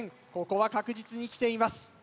ここは確実にきています。